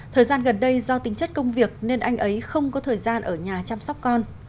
thời gian gần đây do tính chất công việc nên anh ấy không có thời gian ở nhà chăm sóc con